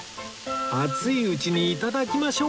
熱いうちに頂きましょう